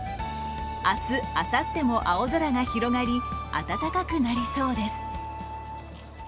明日、あさっても青空が広がり、温かくなりそうです。